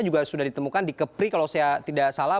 juga sudah ditemukan di kepri kalau saya tidak salah